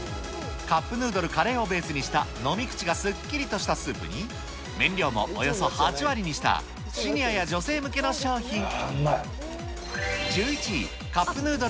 カップヌードルカレーをベースにした飲み口がすっきりとしたスープに、麺量もおよそ８割にしたシニアや女性向けの商品。